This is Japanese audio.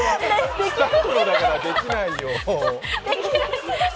スタッフのだからできないよ。